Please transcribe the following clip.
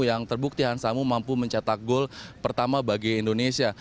yang terbukti hansamu mampu mencetak gol pertama bagi indonesia